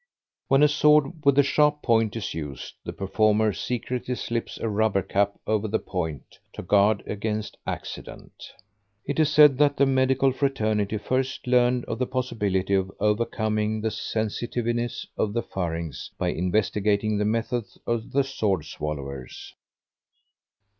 When a sword with a sharp point is used the performer secretly slips a rubber cap over the point to guard against accident. It is said that the medical fraternity first learned of the possibility of overcoming the sensitiveness of the pharynx by investigating the methods of the sword swallowers.